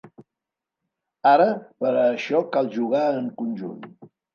Ara, per a això cal jugar en conjunt.